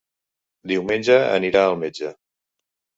Diumenge anirà al metge.